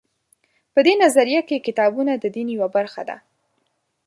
په دې نظریه کې کتابونه د دین یوه برخه دي.